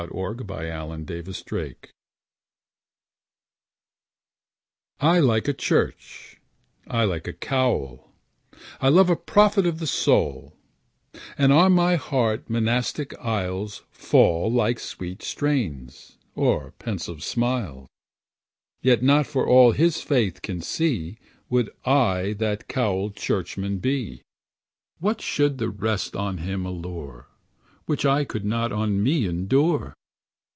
Ralph Waldo Emerson The Problem I LIKE the church; I like a cowl; I love a prophet of the soul; And on my heart monastic aisles Fall like sweet strains, or pensive smiles; Yet not for all his faith can see Would I that cowlèd churchman be. Why should the vest on him allure, Which I could not on me endure?